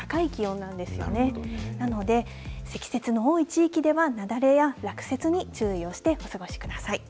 なので、積雪の多い地域では、雪崩や落雪に注意をしてお過ごしください。